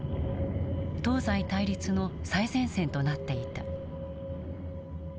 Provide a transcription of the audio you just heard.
東西対立の最前線となっていた。